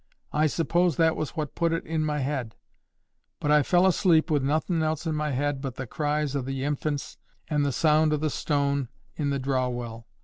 I suppose that was what put it in my head; but I fell asleep wi' nothin' else in my head but the cries o' the infants and the sound o' the ston' in the draw well.